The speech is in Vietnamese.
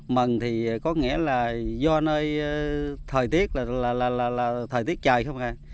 mần thì có nghĩa là do nơi thời tiết là thời tiết trời không hà